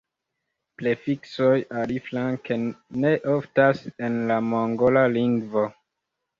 Prefiksoj, aliflanke, ne oftas en la mongola lingvo.